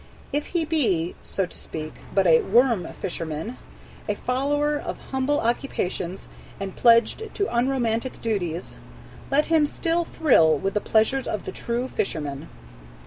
If he be, so to speak, but a worm fisherman, a follower of humble occupations, and pledged to unromantic duties, let him still thrill with the pleasures of the true sportsman.